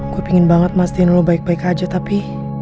gue pengen banget mastiin lo baik baik aja tapi